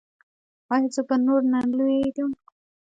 ایا زه به نور نه لویږم؟